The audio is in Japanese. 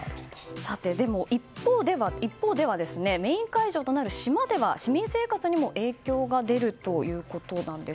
でも、一方ではメイン会場となる島では市民生活にも影響が出るということなんです。